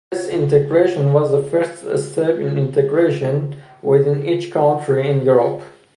This integration was the first step in integration within each country in Europe.